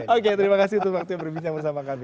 oke terima kasih untuk waktunya berbincang bersama kami